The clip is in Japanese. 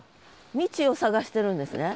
未知を探してるんですね？